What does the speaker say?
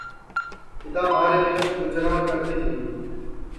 اِدؔا مہارے منکھ گُجران کرتے تیے